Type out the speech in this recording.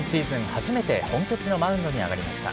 初めて本拠地のマウンドに上がりました。